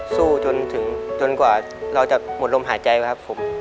สู้จนถึงจนกว่าเราจะหมดลมหายใจครับผม